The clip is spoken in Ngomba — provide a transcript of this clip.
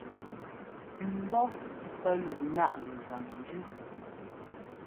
Mbɔ́ pɛ́ luk náʼ gɛgan njʉ.